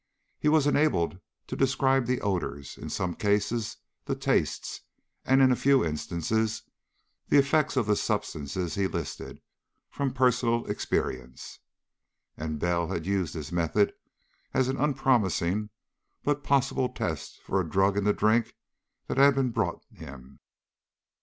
He was enabled to describe the odors, in some cases the tastes, and in a few instances the effects of the substances he listed, from personal experience. And Bell had used his method as an unpromising but possible test for a drug in the drink that had been brought him.